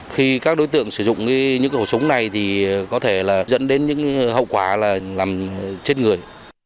khi các đối tượng sử dụng những khẩu súng này thì có thể là dẫn đến những hậu quả là làm chết người